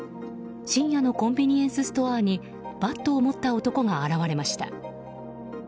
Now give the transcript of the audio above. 深夜のコンビニエンスストアにバットを持った男が現れました。